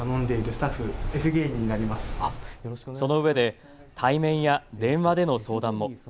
そのうえで対面や電話での相談も。